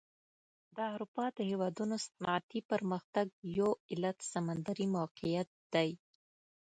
د اروپا د هېوادونو صنعتي پرمختګ یو علت سمندري موقعیت دی.